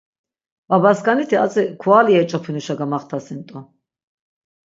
Babaskaniti atzi kuvali yeç̆op̆inuşa gamaxtasint̆u.